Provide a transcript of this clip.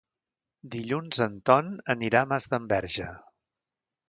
Dilluns en Ton anirà a Masdenverge.